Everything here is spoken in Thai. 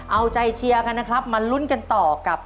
เอาใจเชียร์กันนะครับมาลุ้นกันต่อกับ